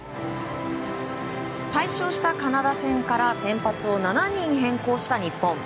大勝したカナダ戦から先発を７人変更した日本。